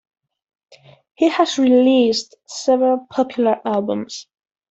He has released several popular albums.